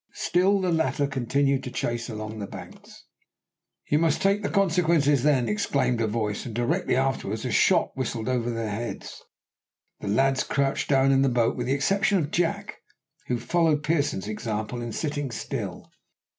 Still the latter continued to chase along the banks. "You must take the consequences, then," exclaimed a voice, and directly afterwards a shot whistled over their heads. The lads crouched down in the boat, with the exception of Jack, who followed Pearson's example in sitting still.